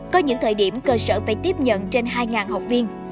có những thời điểm cơ sở phải tiếp nhận trên hai học viên